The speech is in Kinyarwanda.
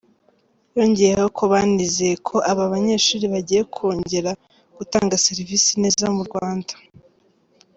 Yongeyeho ko banizeye ko aba banyeshuri bagiye kongera gutanga serivisi neza mu Rwanda.